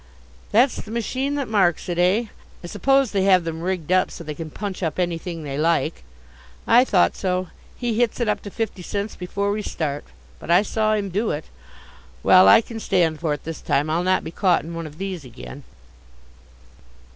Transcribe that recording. That's the machine that marks it, eh? I suppose they have them rigged up so they can punch up anything they like. I thought so he hits it up to fifty cents before we start. But I saw him do it. Well, I can stand for it this time. I'll not be caught in one of these again.